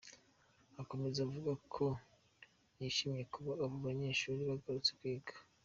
Akomeza avuga ko yishimiye kuba abo banyeshuri bagarutse kwiga.